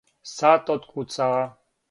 Сат откуцава.